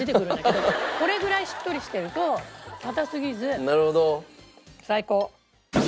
これぐらいしっとりしてるとかたすぎず最高。